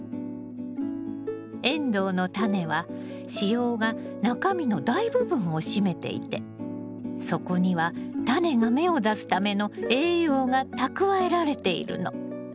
エンドウのタネは子葉が中身の大部分を占めていてそこにはタネが芽を出すための栄養が蓄えられているの。